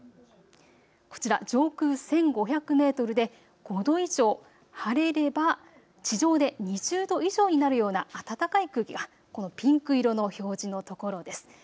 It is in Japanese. こちら上空１５００メートルで５度以上、晴れれば地上で２０度以上になるような暖かい空気がこのピンク色の表示のところです。